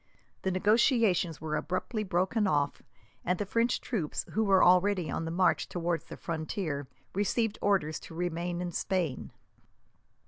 The negotiations were abruptly broken off, and the French troops, who were already on the march towards the frontier, received orders to remain in Spain.